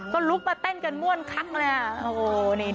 ก็ลุกมาเต้นกันม่วนคั้งเลย